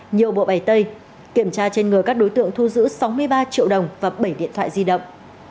nhiều bộ bày tây kiểm tra trên người các đối tượng thu giữ sáu mươi ba triệu đồng và bảy điện thoại di động